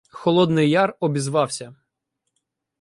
— Холодний Яр обізвався.